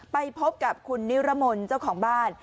ไปพบกับคุณนิรมนเจ้าของบ้าน